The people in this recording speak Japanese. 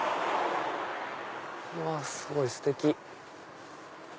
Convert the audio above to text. うわっすごいステキ。